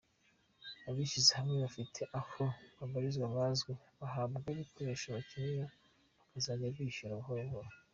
Abishyize hamwe bafite aho babarizwa hazwi bahabwa ibikoresho bakeneye bakazajya bishyura buhoro buhoro.